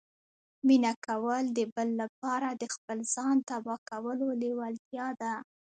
مینه کول د بل لپاره د خپل ځان تباه کولو لیوالتیا ده